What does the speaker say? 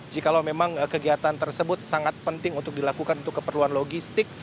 jika memang kegiatan tersebut sangat penting untuk dilakukan untuk keperluan logistik